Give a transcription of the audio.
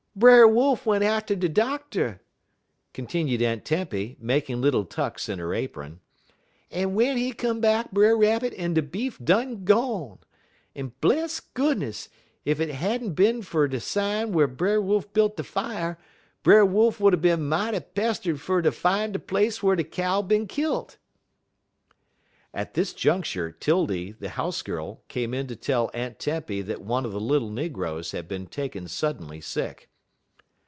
"Brer Wolf went atter de doctor," continued Aunt Tempy, making little tucks in her apron, "un w'en he come back Brer Rabbit un de beef done gone; un, bless goodness, ef it had n't er bin fer de sign whar Brer Rabbit built de fier, Brer Wolf would er bin mightly pester'd fer ter fine der place whar de cow bin kilt." At this juncture, 'Tildy, the house girl, came in to tell Aunt Tempy that one of the little negroes had been taken suddenly sick.